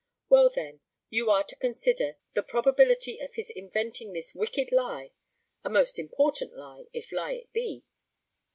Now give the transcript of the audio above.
Well, then, you are to consider what is the probability of his inventing this wicked lie, a most important lie, if lie it be.